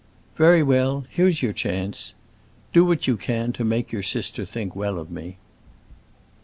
"Very well; here's your chance. Do what you can to make your sister think well of me."